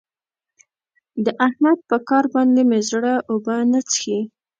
د احمد په کار باندې مې زړه اوبه نه څښي.